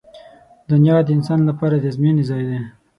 • دنیا د انسان لپاره د ازموینې ځای دی.